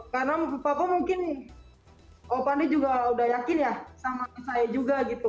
karena papa mungkin opande juga udah yakin ya sama saya juga gitu